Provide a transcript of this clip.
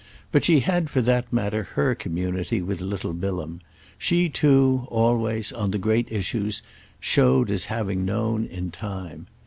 But she had for that matter her community with little Bilham: she too always, on the great issues, showed as having known in time.